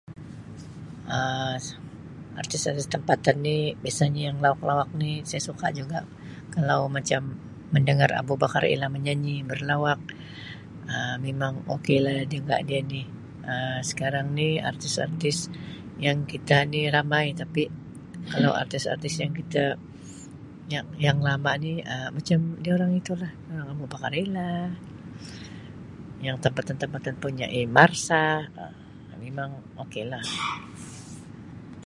Um Artis-artis tempatan ni biasanya yang lawak-lawak ni saya suka juga, kalau macam mendengar Abu Bakar Ellah menyanyi, berlawak Um memang okaylah juga dia ni, Um sekarang ni artis-artis yang kitani ramai tapi kalau artis-artis yang kita ya-yang lama ni Um durang itulah Abu Bakar Ellah, yang tempatan-tempatan punya si marsha, Um memang okaylah.